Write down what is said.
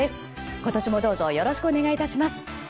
今年もどうぞよろしくお願いします。